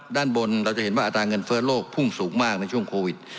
ด้านบนเราจะเห็นว่าอัตราเงินเฟ้อโลกพุ่งสูงมากในช่วงโควิด